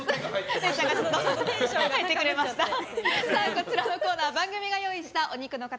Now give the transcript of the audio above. こちらのコーナー番組が用意したお肉の塊